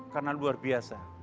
karena luar biasa